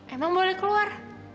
emang boleh keluar